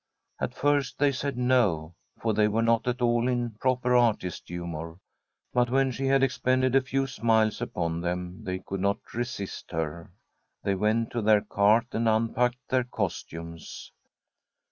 At first they said no, for they were not at all in proper artist humour, but when she had expended a few smiles upon them they could not resist her. They went to their cart and unpacked their cos tumes.